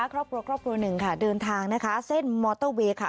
ครอบครัวครอบครัวหนึ่งค่ะเดินทางนะคะเส้นมอเตอร์เวย์ค่ะ